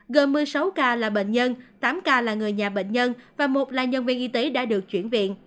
gồm một mươi sáu ca là bệnh nhân tám ca là người nhà bệnh nhân và một là nhân viên y tế đã được chuyển viện